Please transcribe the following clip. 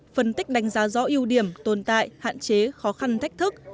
phân tích đánh giá rõ ưu điểm tồn tại hạn chế khó khăn thách thức